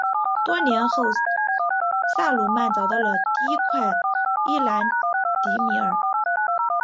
多年后萨鲁曼找到了第一块伊兰迪米尔。